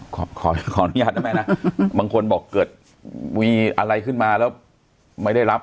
ขออนุญาตได้ไหมนะบางคนบอกเกิดมีอะไรขึ้นมาแล้วไม่ได้รับ